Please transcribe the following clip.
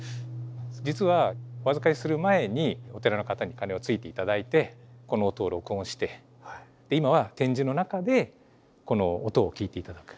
実はお預かりする前にお寺の方に鐘をついて頂いてこの音を録音して今は展示の中でこの音を聞いて頂く。